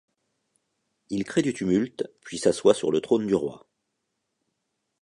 Il crée du tumulte puis s'assoit sur le trône du roi.